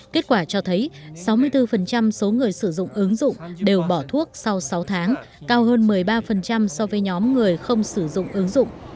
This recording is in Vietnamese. kết quả cho thấy sáu mươi bốn số người sử dụng ứng dụng đều bỏ thuốc sau sáu tháng cao hơn một mươi ba so với nhóm người không sử dụng ứng dụng